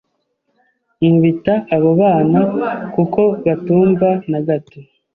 Nkubita abo bana kuko batumva na gato